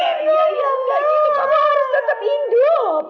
kamu harus tetap hidup